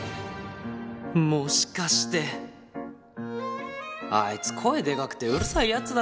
もしかしてあいつ声でかくてうるさいヤツだな。